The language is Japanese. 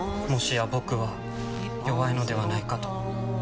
もしや僕は弱いのではないかと。